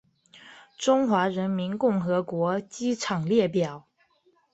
中华人民共和国机场列表